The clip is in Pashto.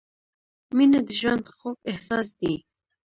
• مینه د ژوند خوږ احساس دی.